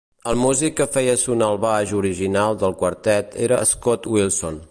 El músic que feia sonar el baix original del quartet era Scott Wilson.